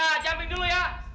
oke kita jembing dulu ya